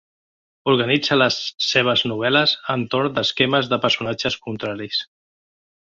Organitza les seves novel·les entorn d'esquemes de personatges contraris.